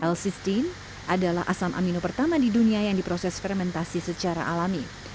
lsistin adalah asam amino pertama di dunia yang diproses fermentasi secara alami